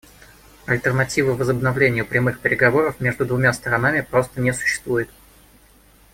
Альтернативы возобновлению прямых переговоров между двумя сторонами просто не существует.